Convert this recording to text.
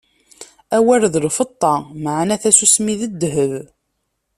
Awal d lfeṭṭa, meɛna tasusmi d ddheb.